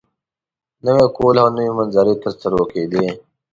نوی کهول او نوې منظرې تر سترګو کېږي.